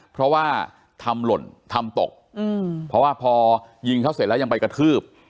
เพราะว่าทำหล่นทำตกเพราะว่าพอยิงเขาเสร็จแล้วยังไปกระทืบ